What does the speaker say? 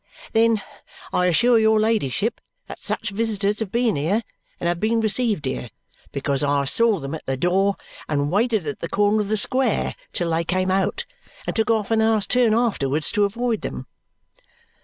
"Then I assure your ladyship that such visitors have been here and have been received here. Because I saw them at the door, and waited at the corner of the square till they came out, and took half an hour's turn afterwards to avoid them."